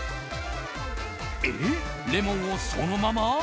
えっ、レモンをそのまま？